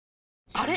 あれ？